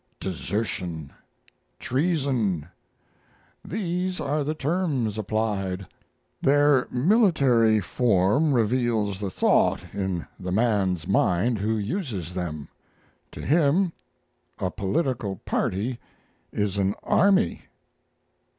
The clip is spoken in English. Desertion, treason these are the terms applied. Their military form reveals the thought in the man's mind who uses them: to him a political party is an army.